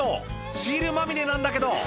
シールまみれなんだけど！